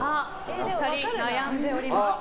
お二人、悩んでおります。